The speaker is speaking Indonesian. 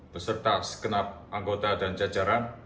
beserta sekenap anggota dan jajaran